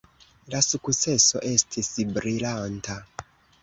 La sukceso estis brilanta.